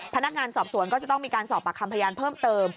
พนักงานสอบสวนก็จะต้องมีการสอบปากคำพยานเพิ่มเติม